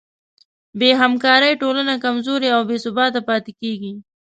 بېهمکارۍ ټولنه کمزورې او بېثباته پاتې کېږي.